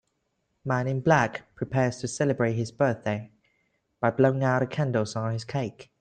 Man in black prepares to celebrate his birthday by blowing out the candles on his cake.